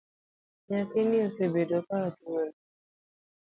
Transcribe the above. Nyathina osebedo ka tuore